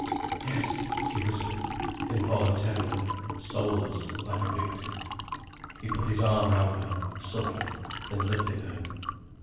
"Yes," she whispered involuntarily, soulless, like a victim. He put his arm round her, subtly, and lifted her.